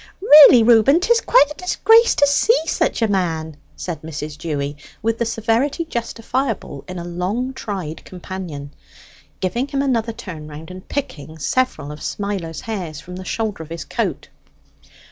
"Really, Reuben, 'tis quite a disgrace to see such a man," said Mrs. Dewy, with the severity justifiable in a long tried companion, giving him another turn round, and picking several of Smiler's hairs from the shoulder of his coat.